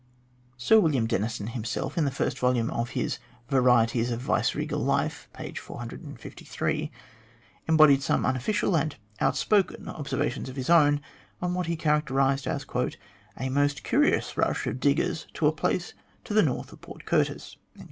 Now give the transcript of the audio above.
Sir William Denison himself, in the first volume of his " Varieties of Vice Kegal Life," page 453, embodied some unofficial and outspoken observations of his own on what he characterised as "a most curious rush of diggers to a place to the north of Port Curtis."